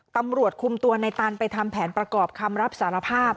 ตำรวจคุมตัวในตันไปทำแผนประกอบคำรับสารภาพ